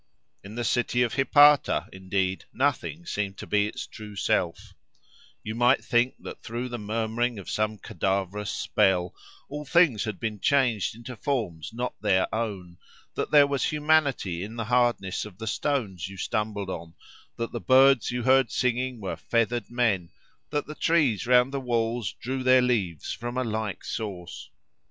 In the city of Hypata, indeed, nothing seemed to be its true self—"You might think that through the murmuring of some cadaverous spell, all things had been changed into forms not their own; that there was humanity in the hardness of the stones you stumbled on; that the birds you heard singing were feathered men; that the trees around the walls drew their leaves from a like source.